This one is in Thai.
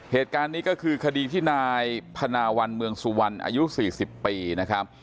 เหตุการณ์นี้ก็คือคดีที่นายพนาวันเมืองสุวรรณอายุ๔๐ปีนะครับ